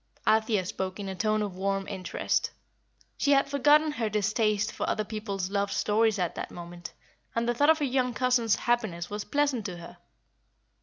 Althea spoke in a tone of warm interest. She had forgotten her distaste for other people's love stories at that moment, and the thought of her young cousin's happiness was pleasant to her.